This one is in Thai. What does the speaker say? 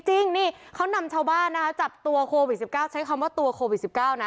จริงนี่เขานำชาวบ้านนะคะจับตัวโควิด๑๙ใช้คำว่าตัวโควิด๑๙นะ